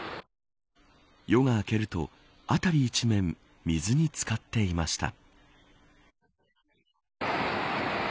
夜が明けると辺り一面水に漬かっていました。